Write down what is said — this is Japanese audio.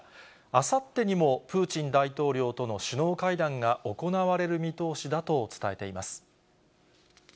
あさってにもプーチン大統領との首脳会談が行われる見通しだと伝えています。